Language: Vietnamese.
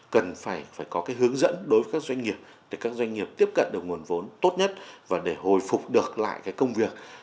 cần phải có cái hướng dẫn đối với các doanh nghiệp để các doanh nghiệp tiếp cận được nguồn vốn tốt nhất và để hồi phục được lại cái công việc